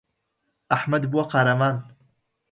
ئەحمەد بووە قارەمان.